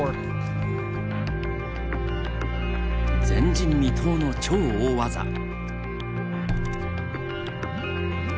前人未到の超大技。